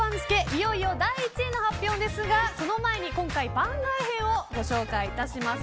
いよいよ第１位の発表ですがその前に番外編をご紹介いたします。